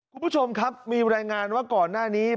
คุณผู้ชมครับมีรายงานว่าก่อนหน้านี้